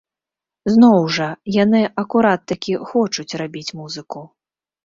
Зноў жа, яны акурат такі хочуць рабіць музыку.